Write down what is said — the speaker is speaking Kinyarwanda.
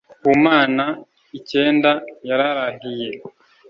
Ku Mana icyenda yararahiye